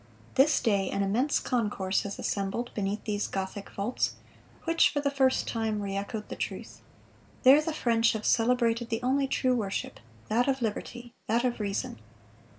This day an immense concourse has assembled beneath those gothic vaults, which, for the first time, re echoed the truth. There the French have celebrated the only true worship,—that of Liberty, that of Reason.